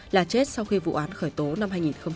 là chết sau khi vụ án khởi tố năm hai nghìn hai mươi hai